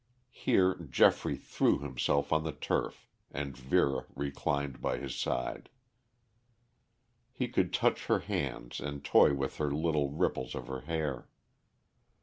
Here Geoffrey threw himself on the turf and Vera reclined by his side. He could touch her hands and toy with the little ripples of her hair.